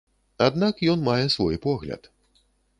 Аднак ён мае свой погляд.